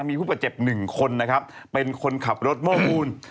มีผู้ประเจ็บหนึ่งคนนะครับเป็นคนขับรถโม้ปูน